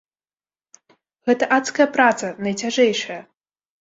Гэта адская праца, найцяжэйшая!